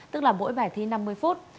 tức là mỗi bài thi năm mươi phút